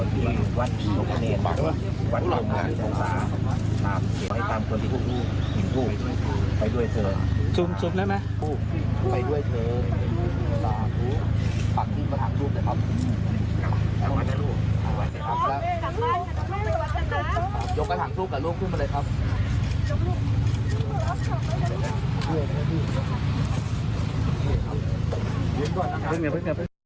นี่ค่ะอันนี้พี่ให้ดูตอนที่